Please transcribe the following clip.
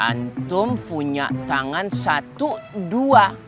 jantung punya tangan satu dua